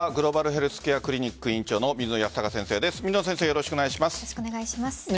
ここからはグローバルヘルスケアクリニック院長の水野泰孝先生です。